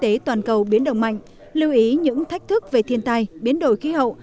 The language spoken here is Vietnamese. kinh tế toàn cầu biến động mạnh lưu ý những thách thức về thiên tai biến đổi khí hậu